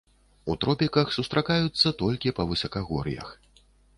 У тропіках сустракаюцца толькі па высакагор'ях.